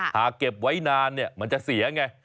ถ้าเก็บไว้นานเนี่ยมันจะเสียไง